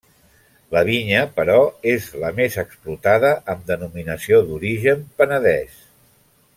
La vinya, però és la més explotada amb denominació d'origen Penedès.